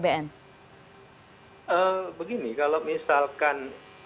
begini kalau misalkan